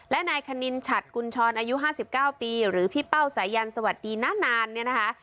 และนายคณินฉัดกุลชรอายุห้าสิบเก้าปีหรือพี่เป้าสายันสวัสดีนานาน